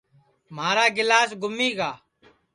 مھارا گِلاس گُمی گا